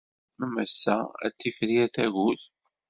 Am ass-a, ad tifrir tagut.